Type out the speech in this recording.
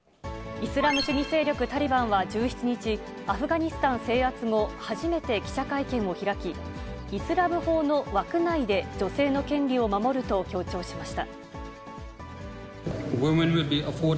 イスラム主義勢力タリバンは１７日、アフガニスタン制圧後、初めて記者会見を開き、イスラム法の枠内で女性の権利を守ると強調しました。